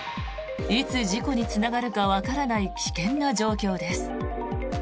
いつ事故につながるかわからない危険な状況です。